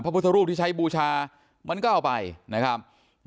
พุทธรูปที่ใช้บูชามันก็เอาไปนะครับ